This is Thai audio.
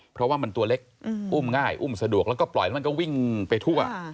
เพราะว่ามันตัวเล็กอุ้มง่ายอุ้มสะดวกแล้วก็ปล่อยแล้วมันก็วิ่งไปทั่ว